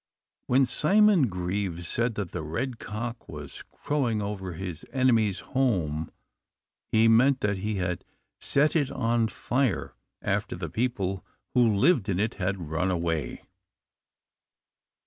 When Simon Grieve said that the Red Cock was crowing over his enemies' home, he meant that he had set it on fire after the people who lived in it had run away.